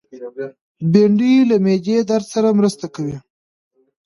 بېنډۍ له معدې درد سره مرسته کوي